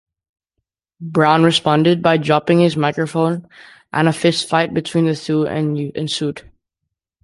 Brown responded by dropping his microphone and a fist fight between the two ensued.